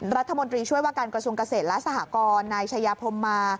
รัฐมนตรีช่วยว่าการกระทรวงเกษตรและสหกรนายชายาพรมมา